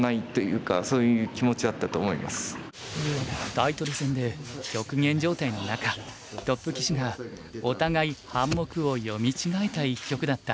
タイトル戦で極限状態の中トップ棋士がお互い半目を読み違えた一局だった。